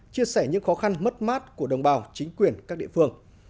chia sẻ những khó khăn mất mát của đồng bào chính quyền các địa phương